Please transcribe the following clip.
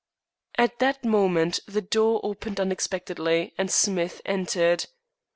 At that moment the door opened unexpectedly, and Smith entered.